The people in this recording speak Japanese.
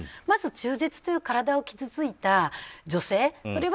まず中絶という体の傷ついた女性。